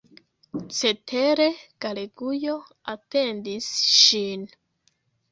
Cetere, Galegujo atendis ŝin.